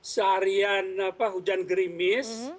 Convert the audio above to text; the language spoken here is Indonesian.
seharian hujan gerimis